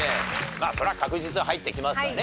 まあそれは確実に入ってきますわね